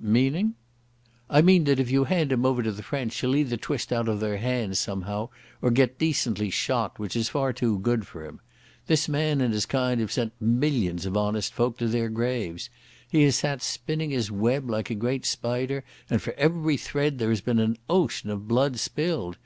"Meaning?" "I mean that if you hand him over to the French he'll either twist out of their hands somehow or get decently shot, which is far too good for him. This man and his kind have sent millions of honest folk to their graves. He has sat spinning his web like a great spider and for every thread there has been an ocean of blood spilled.